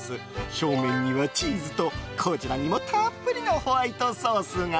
表面にはチーズと、こちらにもたっぷりのホワイトソースが。